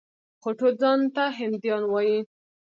خو ټول ځان ته هندیان وايي.